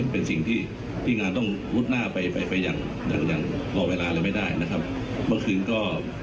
เป็นสิ่งที่ที่งานต้องมุดหน้าไปไปอย่างอย่างรอเวลาเลยไม่ได้นะครับเมื่อคืนก็